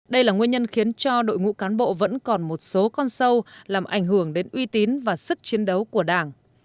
đây là nguyên nhân khiến cho đội ngũ cán bộ vẫn còn một số con sâu làm ảnh hưởng đến uy tín và sức chiến đấu của đảng